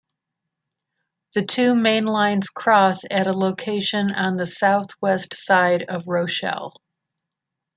The two mainlines cross at a location on the southwest side of Rochelle.